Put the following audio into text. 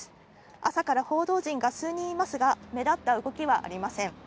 朝から報道陣が数人いますが目立った動きはありません。